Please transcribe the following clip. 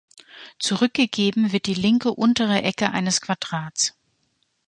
Zurückgegeben wird die linke untere Ecke eines Quadrats.